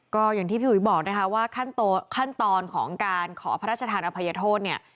ก็อย่างที่พี่อุ๋ยบอกนะคะว่าขั้นตอนของการขอพระราชทานอภัยโทษเนี่ย